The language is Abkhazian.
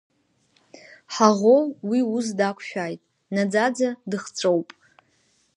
Ҳаӷоу уи ус дақәшәааит, наӡаӡазы дыхҵәоуп.